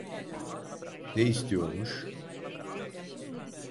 Ne istiyormuş?